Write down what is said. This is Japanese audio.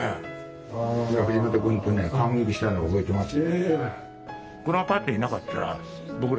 藤本君とね感激したのを覚えてますよ。